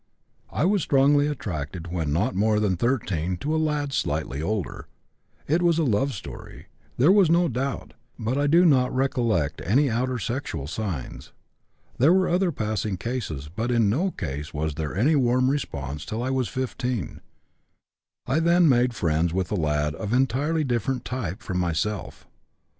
"I was strongly attracted when not more than 13 to a lad slightly older. It was a love story, there is no doubt, but I do not recollect any outer sexual signs. There were other passing cases, but in no case was there any warm response till I was 15. I then made friends with a lad of entirely different type from myself.